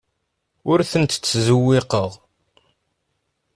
Ur ten-ttzewwiqeɣ.